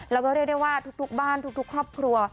แล้วก็เรียกได้ว่าทุกบ้านทุกครอบครัว